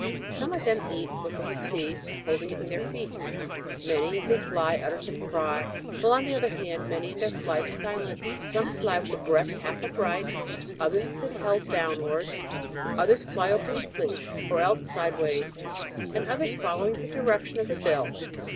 Some of them eat what they have seized, holding it in their feet. Manj , as they fly, utter some cry ; while on the other hand, many, in their flight, are silent. Some fly with the breast half upright, others witli it held downwards, others fly obliquely, or else side ways, and others following the di rection of the bill.